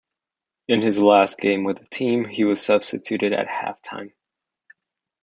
In his last game with the team he was substituted at half-time.